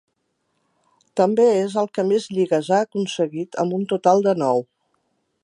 També és el que més lligues ha aconseguit, amb un total de nou.